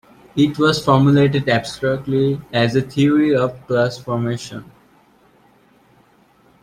It was formulated abstractly as a theory of class formations.